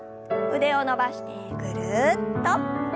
腕を伸ばしてぐるっと。